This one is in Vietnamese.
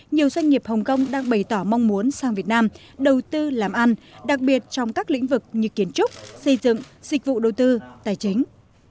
nhiều doanh nghiệp hồng kông đang bày tỏ mong muốn sang việt nam đầu tư làm ăn đặc biệt trong các lĩnh vực như kiến trúc xây dựng dịch vụ đầu tư tài chính